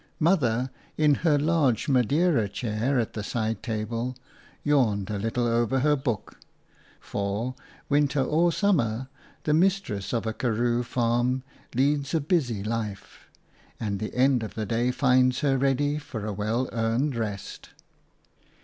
Mother, in her big Madeira chair at the side table, yawned a little over her book ; for, winter or summer, the mistress of a karroo farm leads a busy life, and the end of the day finds her ready for a well earned rest.